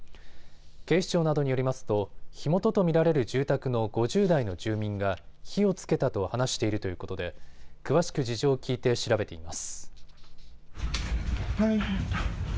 警視庁などによりますと火元と見られる住宅の５０代の住民が火をつけたと話しているということで詳しく事情を聞いて調べています。